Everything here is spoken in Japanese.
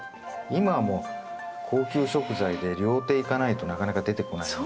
今はもう高級食材で料亭行かないとなかなか出てこないんで。